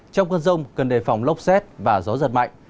trong cơn rông cần đề phòng lốc xét và gió giật mạnh